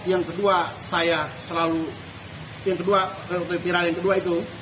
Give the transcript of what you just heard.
yang kedua saya selalu yang kedua viral yang kedua itu